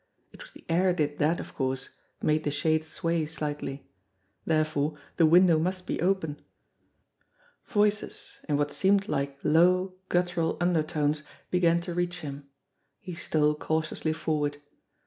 It was the air did that, of course made the shade sway slightly. There fore the window must be open. Voices, in what seemed like low, guttural undertones, be gan to reach him. He stole cautiously forward.